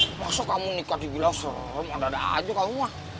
ih masa kamu nikah gitu serem ada ada aja kamu mah